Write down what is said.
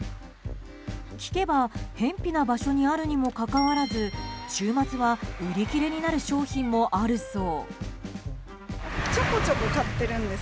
聞けば、辺鄙な場所にあるにもかかわらず週末は売り切れになる商品もあるそう。